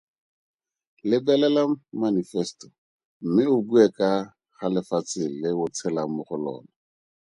Lebelela manifeseto mme o bue ka ga lefatshe le o tshelang mo go lona.